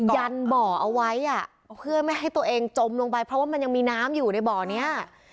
ยันบ่อเอาไว้อ่ะเพื่อไม่ให้ตัวเองจมลงไปเพราะว่ามันยังมีน้ำอยู่ในบ่อนี้